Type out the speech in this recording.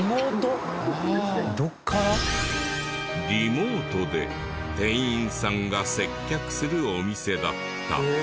リモートで店員さんが接客するお店だった。